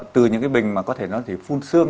từ những cái bình mà có thể nó chỉ phun xương